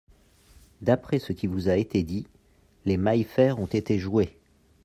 D'après ce qui vous a été dit, les Maillefert ont été joués.